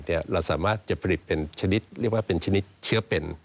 เราสามารถจะผลิตเป็นชนิดเรียกว่าเป็นชนิดเชื้อเป็น